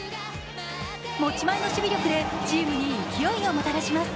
持ち前の守備力でチームに勢いをもたらします。